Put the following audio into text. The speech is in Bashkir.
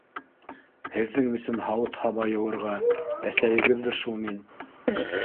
Һеҙҙең өсөн һауыт-һаба йыуырға — әсәйегеҙҙер шул мин.